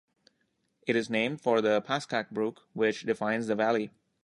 It is named for the Pascack Brook, which defines the valley.